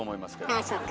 ああそうか。